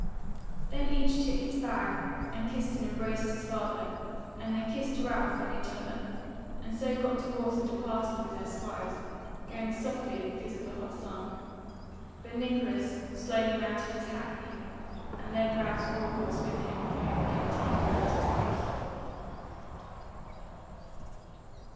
Then each took his bag, and kissed and embraced his father; and they kissed Ralph and each other, and so got to horse and departed with their squires, going softly because of the hot sun. But Nicholas slowly mounted his hackney and led Ralph's war horse with him home again to King Peter's House.